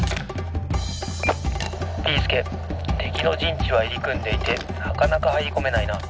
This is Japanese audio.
「ビーすけてきのじんちはいりくんでいてなかなかはいりこめないな。